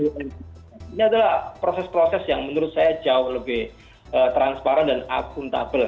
ini adalah proses proses yang menurut saya jauh lebih transparan dan akuntabel